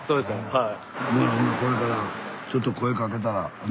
はい。